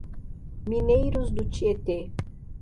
Mineiros do Tietê